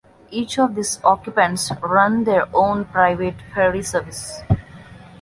Each of these occupants runs their own private ferry service.